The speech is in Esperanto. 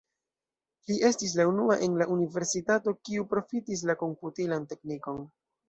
Li estis la unua en la universitato, kiu profitis la komputilan teknikon.